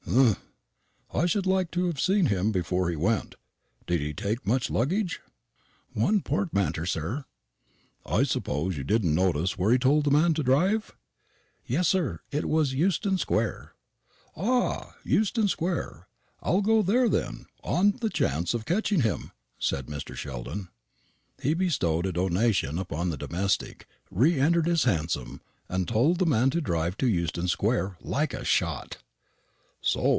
"Humph! I should like to have seen him before he went. Did he take much luggage?" "One portmanter, sir." "I suppose you didn't notice where he told the man to drive?" "Yes, sir; it was Euston square." "Ah! Euston square. I'll go there, then, on the chance of catching him," said Mr. Sheldon. He bestowed a donation upon the domestic, reentered his hansom, and told the man to drive to Euston square "like a shot." "So!